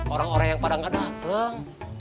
orang orang yang pada nggak datang